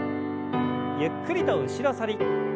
ゆっくりと後ろ反り。